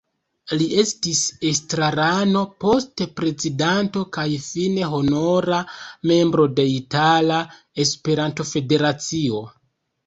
Li estis estrarano, poste prezidanto kaj fine honora Membro de Itala Esperanto-Federacio.